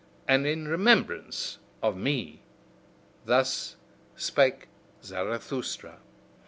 And in remembrance of me!" Thus spake Zarathustra.